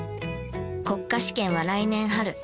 国家試験は来年春。